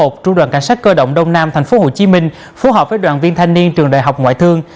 trung đoàn cảnh sát cơ động đông nam tp hcm phối hợp với đoàn viên thanh niên trường đại học ngoại thương